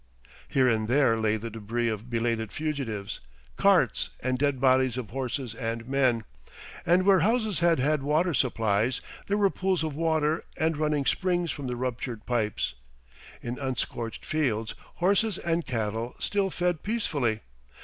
Here and there lay the debris of belated fugitives, carts, and dead bodies of horses and men; and where houses had had water supplies there were pools of water and running springs from the ruptured pipes. In unscorched fields horses and cattle still fed peacefully.